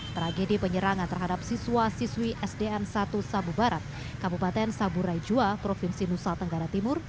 tragedi penyerangan terhadap siswa siswi sdn satu sabu barat kabupaten saburai jua provinsi nusa tenggara timur